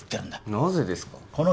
なぜですか？